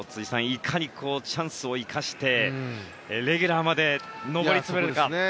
いかにチャンスを生かしてレギュラーまで上り詰めるか。